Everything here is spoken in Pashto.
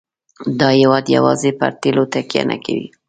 دا هېواد یوازې پر تیلو تکیه نه کوي.